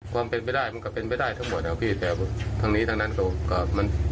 ความเป็นไม่ได้มันก็เป็นไม่ได้ทั้งหมดนะพี่แสวทางนี้ทางนั้นก็มัน